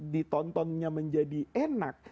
ditontonnya menjadi enak